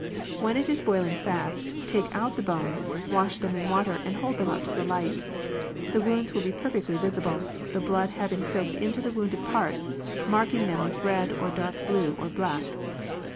When it is boiling fast, take out the bones, wash them in water, and hold up to the light. The wounds will be perfectly visible, the blood having soaked into the wounded parts, marking them with red or dark blue or black.